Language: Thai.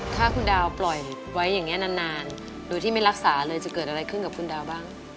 ถ้าคุณดาวปล่อยไว้อย่างนี้นานโดยที่ไม่รักษาเลยจะเกิดอะไรขึ้นกับคุณดาวบ้าง